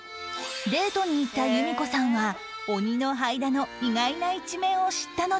デートに行った由見子さんは鬼のはいだの意外な一面を知ったのだという